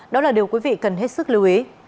đó là điều quý vị cần hết sức lưu ý